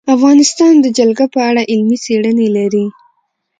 افغانستان د جلګه په اړه علمي څېړنې لري.